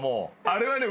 あれはね